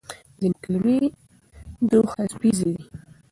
ځینې کلمې دوهڅپیزې دي.